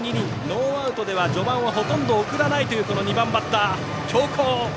ノーアウトでは序盤はほとんど送らないというこの２番バッター、強攻！